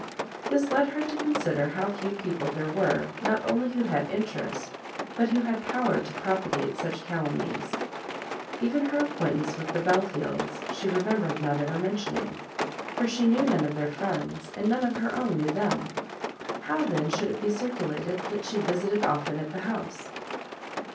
This led her to consider how few people there were not only who had interest, but who had power to propagate such calumnies; even her acquaintance with the Belfields she remembered not ever mentioning, for she knew none of their friends, and none of her own knew them. How, then, should it be circulated, that she "visited often at the house?"